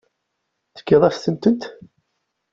Tefkiḍ-asent-tent.